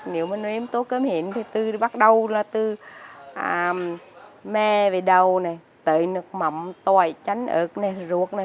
nếu mà nếm tô cơm hến thì bắt đầu là từ mê về đầu tợi nước mậm tỏi chánh ớt ruột